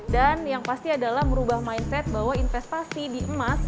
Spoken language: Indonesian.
dan yang pasti adalah merubah mindset bahwa investasi di emas